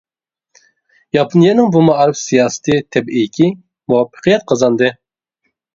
ياپونىيەنىڭ بۇ مائارىپ سىياسىتى تەبىئىيكى، مۇۋەپپەقىيەت قازاندى.